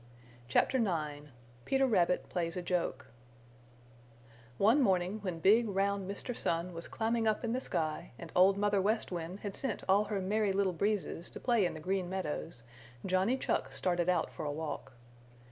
CHAPTER IX PETER RABBIT PLAYS A JOKE One morning when big round Mr. Sun was climbing up in the sky and Old Mother West Wind had sent all her Merry Little Breezes to play in the Green Meadows, Johnny Chuck started out for a walk.